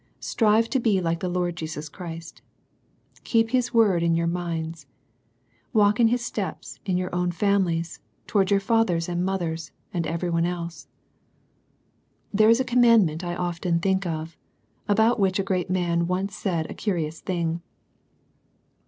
Strive to be like the Lord Jesus Christ. Keep His words in your minds. Walk in His steps in your own families, towards your fathers and mothers, and every one else. There is a commandment I often think of, about which a great man once said a curious thing.